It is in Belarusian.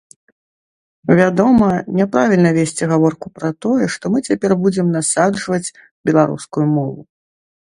Вядома, няправільна весці гаворку пра тое, што мы цяпер будзем насаджваць беларускую мову.